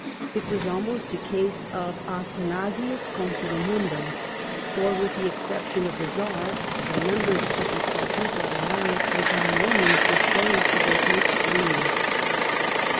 It was almost a case of Athanasiun contra mundum, for, with the exception of the Czar, the mem bers of the Quadruple Alliance were by no means dis posed to go to extremes.